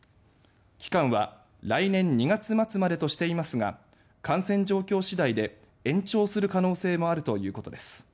期間は来年２月末までとしていますが感染状況次第で延長する可能性もあるということです。